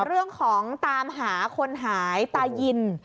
เรื่องของตามหาคนหายตายิน